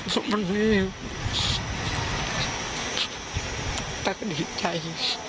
สักวันนี้ตากลิ่นหิดใจ